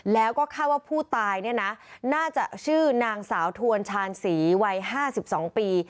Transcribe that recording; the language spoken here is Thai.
แล้วก็คาดว่าผู้ตายเนี่ยนะน่าจะชื่อนางสาวทวนชาญศรีวัย๕๒ปี